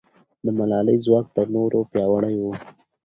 د ملالۍ ځواک تر نورو پیاوړی و.